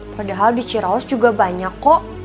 padahal di ciraus juga banyak kok